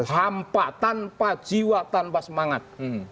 hampa tanpa jiwa tanpa semangat